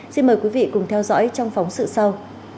xin mời quý vị cùng theo dõi trong phóng sự sau